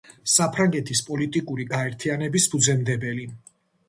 საფრანგეთის პოლიტიკური გაერთიანების ფუძემდებელი.